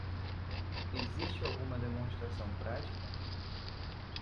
Existe alguma demonstração prática?